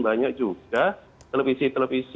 banyak juga televisi televisi